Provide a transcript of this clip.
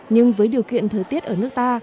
nhưng với điều kiện thời tiết ở nước ta